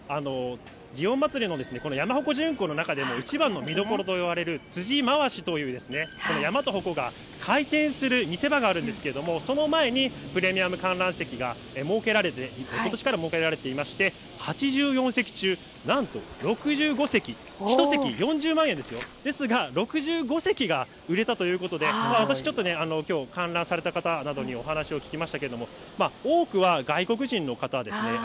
祇園祭の山鉾巡行の中でも一番の見どころといわれる辻回しという山と鉾が、回転する見せ場があるんですけれども、その前にプレミアム観覧席が設けられて、ことしから設けられていまして、８４席中、なんと６５席、１席４０万円ですよ、ですが、６５席が売れたということで、私はちょっと観覧された方などにお話を聞きましたけれども、多くは外国人の方ですね。